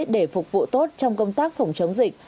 để phục vụ tốt trong công tác phòng chống dịch